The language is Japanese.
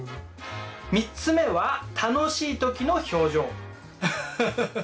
３つ目は楽しい時の表情。